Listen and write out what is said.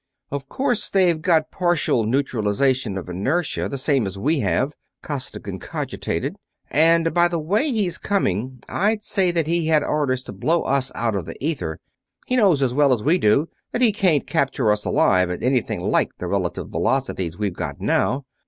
"Of course, they've got partial neutralization of inertia, the same as we have," Costigan cogitated, "and by the way he's coming I'd say that he had orders to blow us out of the ether he knows as well as we do that he can't capture us alive at anything like the relative velocities we've got now.